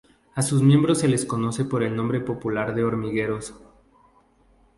A sus miembros se les conoce por el nombre popular de hormigueros.